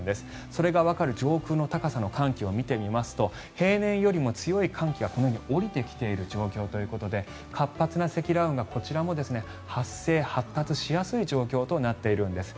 それがわかる上空の高さの寒気を見てみますと平年よりも強い寒気がこのように下りてきている状況ということで活発な積乱雲がこちらも発生、発達しやすい状況となっているんです。